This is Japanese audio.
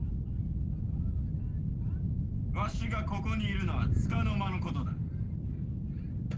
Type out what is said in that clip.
わしがここにいるのはつかの間の事だ。